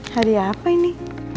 hadiah apa ini